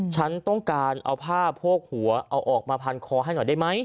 ฉันต้องการเอาผ้าโพกหัวเอาออกมาพันคอให้หน่อยได้ไหม